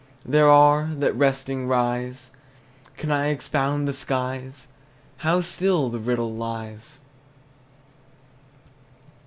There are, that resting, rise. Can I expound the skies? How still the riddle lies!